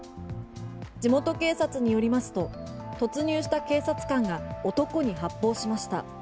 地元警察によりますと突入した警察官が男に発砲しました。